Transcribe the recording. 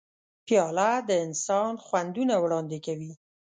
پیاله د انسان خوندونه وړاندې کوي.